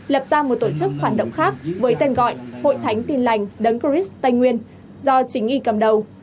lập ra một tổ chức phản động khác với tên gọi hội thánh tin lành đấng christ tây nguyên do chính y cầm đầu